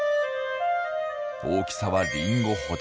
大きさはリンゴほど。